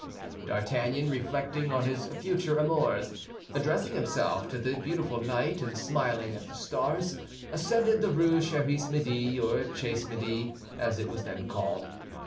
D'Artagnan, reflecting on his future amours, addressing himself to the beautiful night, and smiling at the stars, ascended the Rue Cherish Midi, or Chase Midi, as it was then called.